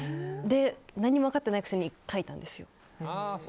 何も分かってないくせに書いたんですよ。